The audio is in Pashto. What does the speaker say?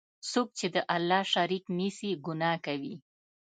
څوک چی د الله شریک نیسي، ګناه کوي.